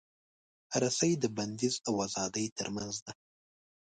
رسۍ د بندیز او ازادۍ ترمنځ ده.